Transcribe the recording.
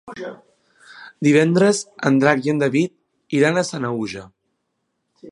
Divendres en Drac i en David iran a Sanaüja.